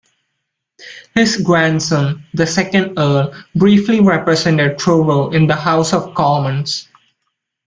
His grandson, the second Earl, briefly represented Truro in the House of Commons.